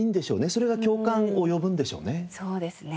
それが共感を呼ぶんでしょうね。